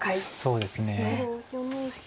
そうですね。